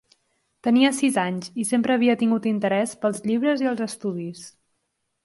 Tenia sis anys, i sempre havia tingut interès pels llibres i els estudis.